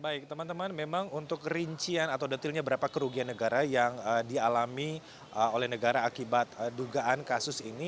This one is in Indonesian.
baik teman teman memang untuk rincian atau detilnya berapa kerugian negara yang dialami oleh negara akibat dugaan kasus ini